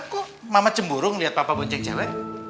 kok mama cemburu ngeliat papa bonceng cewek